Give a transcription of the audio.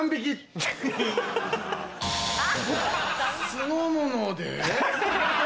酢の物で？